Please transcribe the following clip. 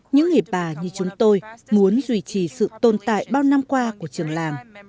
những người bà như chúng tôi muốn duy trì sự tồn tại bao năm qua của trường làng